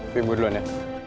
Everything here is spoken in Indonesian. pindah dulu aja